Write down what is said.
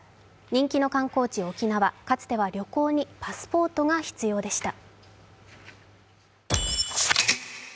人気の観光地・沖縄、かつては旅行にパスポートが必要でした。